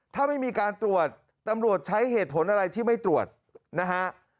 ถ้าไม่มีการตรวจตำรวจใช้เหตุผลอะไรที่ไม่ตรวจนะฮะ